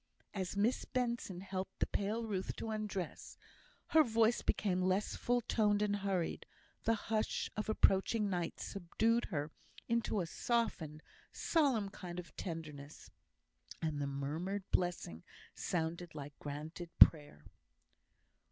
As Miss Benson helped the pale Ruth to undress, her voice became less full toned and hurried; the hush of approaching night subdued her into a softened, solemn kind of tenderness, and the murmured blessing sounded like granted prayer.